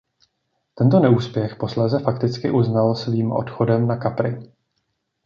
Tento neúspěch posléze fakticky uznal svým odchodem na Capri.